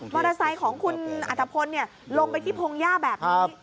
มอเตอร์ไซค์ของคุณอรรถพลเนี่ยลงไปที่พงหญ้าแบบนี้